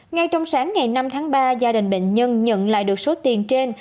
ngay trong sáng ngày năm tháng ba gia đình bệnh nhân nhận lại được số tiền trên